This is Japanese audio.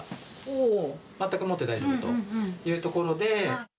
全くもって大丈夫というところで。